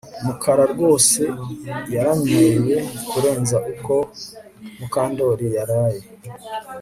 Mukara rwose yaranyweye kurenza uko Mukandoli yaraye